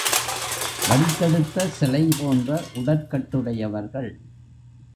வடித்தெடுத்த சிலை போன்ற உடற்கட்டுடையவர்கள்.